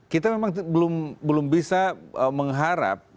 kita memang belum bisa mengharap